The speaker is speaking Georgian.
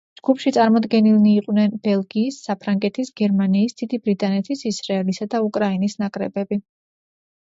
ჯგუფში წარმოდგენილნი იყვნენ ბელგიის, საფრანგეთის, გერმანიის, დიდი ბრიტანეთის, ისრაელისა და უკრაინის ნაკრებები.